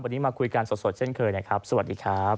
วันนี้มาคุยกันสดเช่นเคยนะครับสวัสดีครับ